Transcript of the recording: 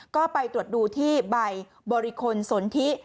ก็ไปตรวจดูที่ใบบริคลสนทิ